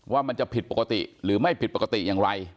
ว่ามันจะผิดปกติหรือไม่ผิดปกติอย่างไร